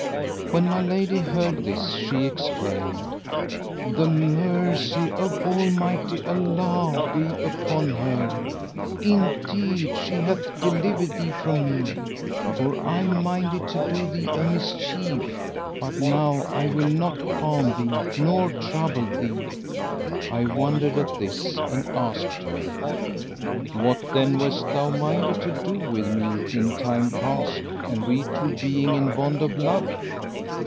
" When my lady heard this she exclaimed, "The mercy of Almighty Allah be upon her! Indeed, she hath delivered thee from me, for I minded to do thee a mischief, but now I will not harm thee nor trouble thee." I wondered at this and asked her, "What then west thou minded to do with me in time past and we two being in bond of love?"